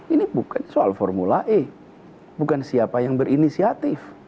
ini bukan soal formula e bukan siapa yang berinisiatif